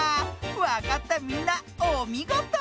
わかったみんなおみごと。